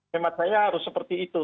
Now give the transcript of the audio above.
hemat saya harus seperti itu